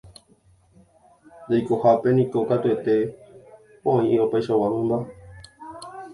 Jaikohápe niko katuete oĩ opaichagua mymba.